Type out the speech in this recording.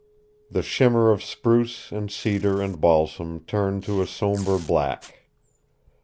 The shimmer of spruce and cedar and balsam turned to a somber black.